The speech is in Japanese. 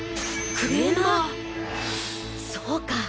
そうか！